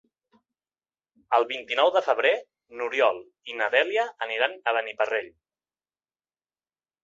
El vint-i-nou de febrer n'Oriol i na Dèlia aniran a Beniparrell.